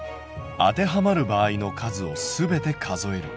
当てはまる場合の数をすべて数える。